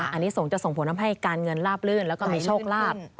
อันนี้ส่งจะส่งผลทำให้การเงินลาบลื่นแล้วก็มีโชคลาภ